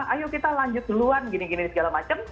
ayo kita lanjut duluan gini gini dan segala macam